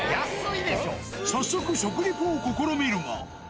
早速、食リポを試みるが。